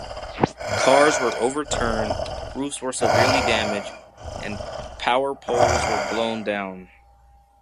Cars were overturned, roofs were severely damaged, and power poles were blown down.